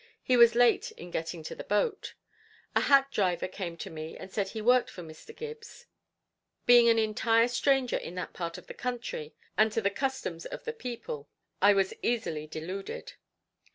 He was late in getting to the boat. A hack driver came to me and said he worked for Mr. Gibbs. Being an entire stranger in that part of the country, and to the customs of the people, I was easily deluded.